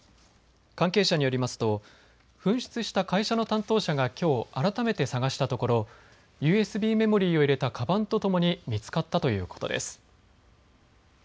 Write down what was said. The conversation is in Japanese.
関係者によりますと紛失した会社の担当者がきょう改めて探したところＵＳＢメモリーを入れたかばんとともに見つかったということです。